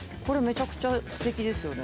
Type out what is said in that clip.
これめちゃくちゃすてきです。